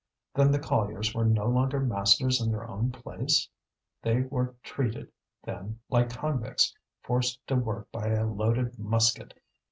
Then the colliers were no longer masters in their own place? They were treated, then, like convicts, forced to work by a loaded musket!